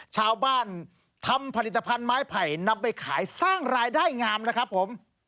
ชาวบ้านทำผลิตภัณฑ์ไม้ไผ่นับไปขายสร้างรายได้งามนะครับผม